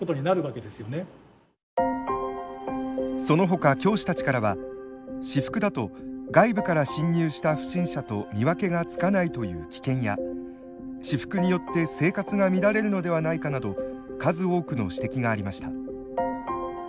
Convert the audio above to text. そのほか教師たちからは私服だと外部から侵入した不審者と見分けがつかないという危険や私服によって生活が乱れるのではないかなど数多くの指摘がありました。